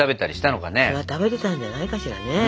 そら食べてたんじゃないかしらね。